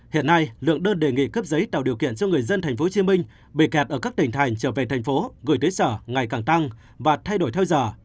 hiện nay lượng đơn đề nghị cấp giấy tạo điều kiện cho người dân tp hcm bị kẹt ở các tỉnh thành trở về thành phố gửi tới sở ngày càng tăng và thay đổi theo giờ